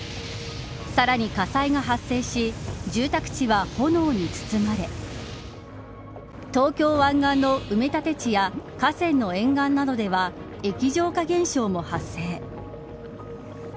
さらに火災が発生し住宅地は炎に包まれ東京湾岸の埋め立て地や河川の沿岸などでは液状化現象も発生。